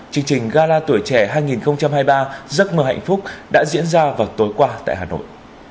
chương trình gala tuổi trẻ hai nghìn hai mươi ba giấc mơ hạnh phúc đã diễn ra vào tối qua tại hà nội